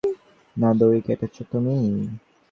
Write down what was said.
না, দড়ি কেটেছো তুমি।